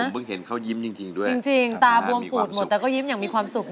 ผมเพิ่งเห็นเขายิ้มจริงด้วยนะฮะมีความสุขจริงตาบวงปุ่นหมดแต่ก็ยิ้มอย่างมีความสุขนะครับ